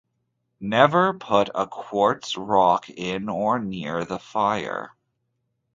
Never put a quartz rock in or near the fire.